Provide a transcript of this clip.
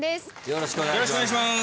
よろしくお願いします。